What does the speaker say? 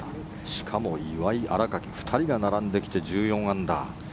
しかも岩井、新垣２人が並んできて１４アンダー。